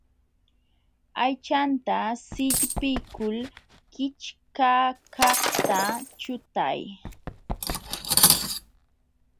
Aychanta sillpiykul kichkakaqta chutay.